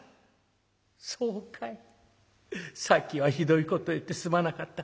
さっきはひどいこと言ってすまなかった。